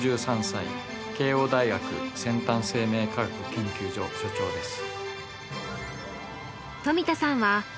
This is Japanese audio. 慶應大学先端生命科学研究所所長です。